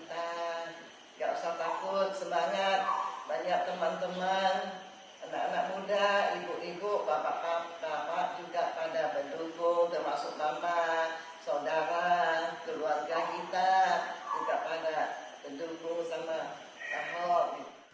tidak usah takut semangat banyak teman teman anak anak muda ibu ibu bapak bapak juga pada berdukung termasuk bapak saudara keluarga kita juga pada berdukung sama ahok